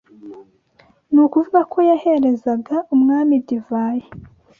Ni ukuvuga ko yaherezaga umwami divayi